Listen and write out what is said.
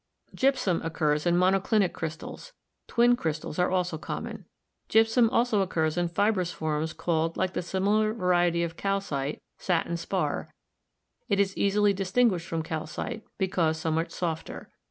Gypsum occurs in monoclinic crystals ; twin crystals are also common. Gypsum also occurs in fibrous forms called, like the similar variety of calcite, satin spar; it is easily distinguished from calcite because so much softer.